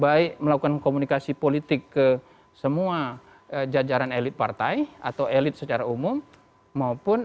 baik melakukan komunikasi politik ke semua jajaran elit partai atau elit secara umum maupun